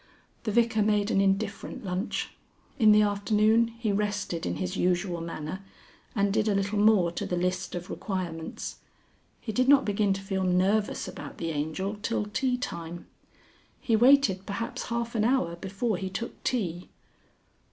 The Vicar made an indifferent lunch. In the afternoon he rested in his usual manner, and did a little more to the list of requirements. He did not begin to feel nervous about the Angel till tea time. He waited, perhaps, half an hour before he took tea.